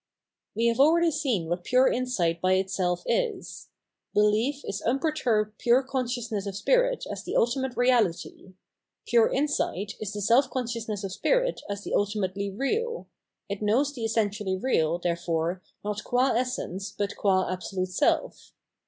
We have already seen what pure insight by itself is. Behef is unperturbed pure consciousness of spirit as the ultimate Eeahty ; pure insight is the seK con sciousness of spirit as the ultimately real ; it knows the essentially real, therefore, not qua essence but qua Absolute Self.